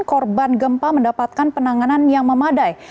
korban gempa mendapatkan penanganan yang memadai